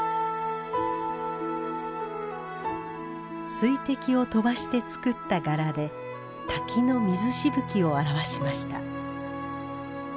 水滴を飛ばして作った柄で滝の水しぶきを表しました。